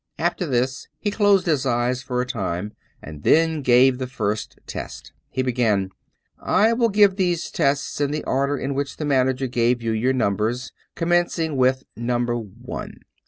After this he closed his eyes for a time, and then gave the first test He began: '' I will g^ve these tests in the order in which the manager gave yon your numbers, commenc ing with number one.